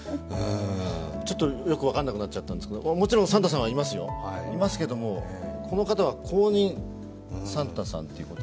ちょっとよく分かんなくなっちゃったんですけどもちろんサンタさんはいますよ、いますけれども、この方は公認サンタさんということ？